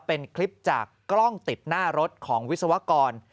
เป็นคลิปจากกล้องติดหน้ารถของวิศวกร